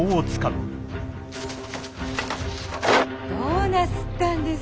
どうなすったんです？